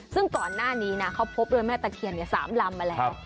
ซึ่งก่อนหน้านี้นะเขาพบโดยแม่ตะเคียน๓ลำมาแล้ว